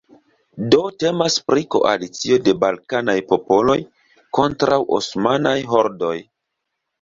Do temas pri koalicio de balkanaj popoloj kontraŭ osmanaj hordoj.